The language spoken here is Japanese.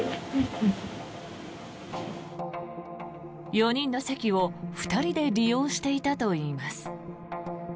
４人の席を２人で利用していたといいます。